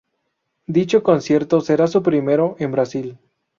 Dicho concierto será su primero en Brasil.